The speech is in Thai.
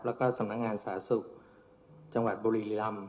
แล้วก็สำนักงานสาธารณสุขจังหวัดบุรีรำ